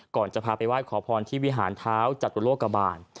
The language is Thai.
ก่อนจะพาไปไหว้ขอพรที่วิหารเท้าจตุโลกบาล